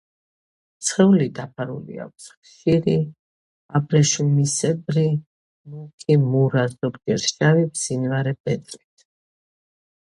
სხეული დაფარული აქვს ხშირი, აბრეშუმისებრი, მუქი მურა, ზოგჯერ შავი მბზინვარე ბეწვით.